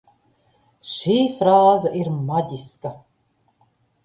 Šī frāze ir maģiska!